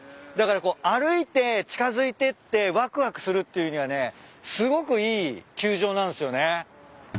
だからこう歩いて近づいてってわくわくするっていうにはねすごくいい球場なんすよね。